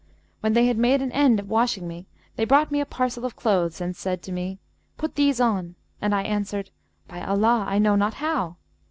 When they had made an end of washing me, they brought me a parcel of clothes and said to me, 'Put these on'; and I answered, 'By Allah, I know not how!'